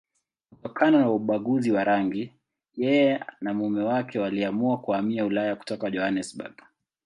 Kutokana na ubaguzi wa rangi, yeye na mume wake waliamua kuhamia Ulaya kutoka Johannesburg.